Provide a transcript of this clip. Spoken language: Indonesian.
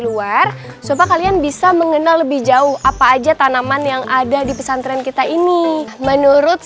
luar supaya kalian bisa mengenal lebih jauh apa aja tanaman yang ada di pesantren kita ini menurut